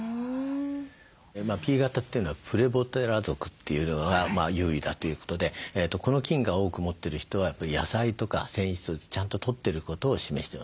Ｐ型というのはプレボテラ属というのが優位だということでこの菌が多く持ってる人は野菜とか繊維質をちゃんととってることを示してます。